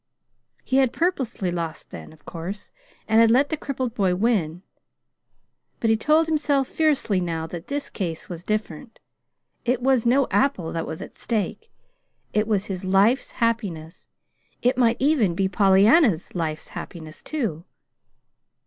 He had purposely lost then, of course, and had let the crippled boy win. But he told himself fiercely now that this case was different. It was no apple that was at stake. It was his life's happiness. It might even be Pollyanna's life's happiness, too.